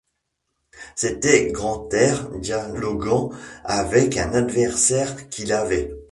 C’était Grantaire dialoguant avec un adversaire qu’il avait.